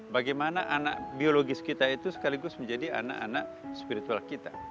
bagaimana anak biologis kita itu sekaligus menjadi anak anak spiritual kita